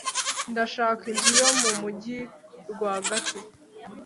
ndashaka inzu yo mu mujyi rwagati